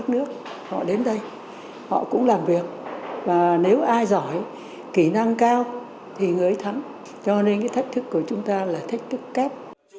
nếu ai giỏi kỹ năng cao thì người ấy thắng cho nên cái thách thức của chúng ta là thách thức cấp